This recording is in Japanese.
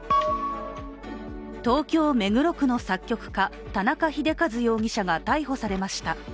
東京・目黒区の作曲家、田中秀和容疑者が逮捕されました。